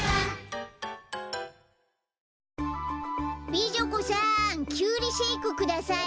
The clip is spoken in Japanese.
美女子さんきゅうりシェークください。